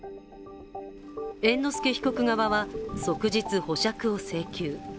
猿之助被告側は即日保釈を請求。